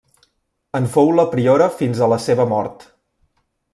En fou la priora fins a la seva mort.